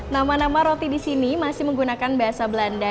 nama nama roti di sini masih menggunakan bahasa belanda